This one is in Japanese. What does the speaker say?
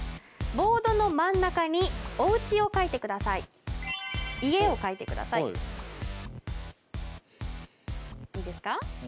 ボードの真ん中におうちを描いてください家を描いてくださいいいですか？